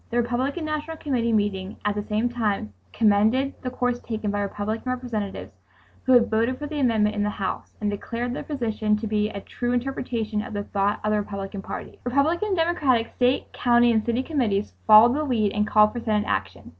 The Republican National Committee meeting at the same time commended the course taken by Republican Representatives who had voted for the amendment in the House, and declared their position to be "a true interpretation of the thought of the Republican Party." Republican and Democratic state, county and city committees followed the lead and called for Senate action.